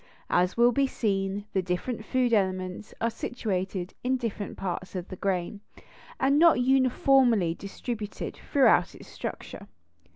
As will be seen, the different food elements are situated in different parts of the grain, and not uniformly distributed throughout its structure.